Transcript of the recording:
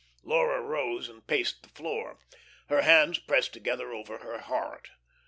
Laura rose and paced the floor, her hands pressed together over her heart.